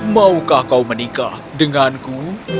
maukah kau menikah denganku